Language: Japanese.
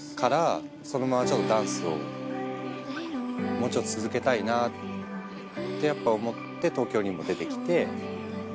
もうちょっと続けたいなってやっぱ思って東京にも出てきて。